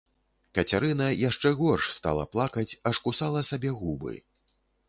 Кацярына яшчэ горш стала плакаць, аж кусала сабе губы.